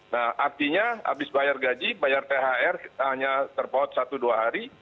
nah artinya habis bayar gaji bayar thr hanya terpaut satu dua hari